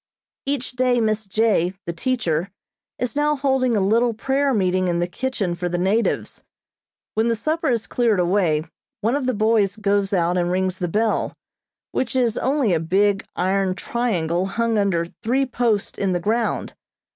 Each day Miss J., the teacher, is now holding a little prayer meeting in the kitchen for the natives. When the supper is cleared away, one of the boys goes out and rings the bell, which is only a big, iron triangle hung under three posts in the ground.